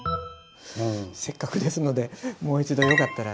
せっかくですのでもう一度よかったら。